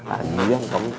aduh yang kemuk